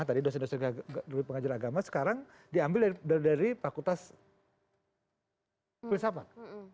tadi dosen dosen dari pengajar agama sekarang diambil dari fakultas filsafat